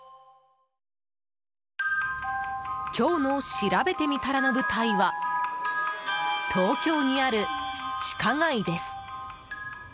今日のしらべてみたらの舞台は東京にある地下街です。